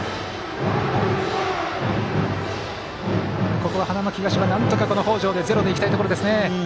ここは花巻東は、なんとか北條でゼロでいきたいところですね。